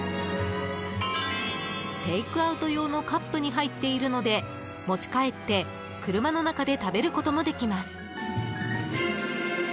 テイクアウト用のカップに入っているので持ち帰って車の中で食べることもできます。